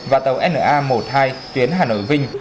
và tàu na một mươi hai tuyến hà nội vinh